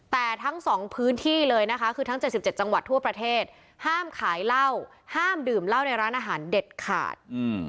แต่ทั้ง๒พื้นที่เลยนะคะคือทั้ง๗๗จังหวัดทั่วประเทศห้ามขายเหล้าห้ามดื่มเหล้าในร้านอาหารเด็ดขาด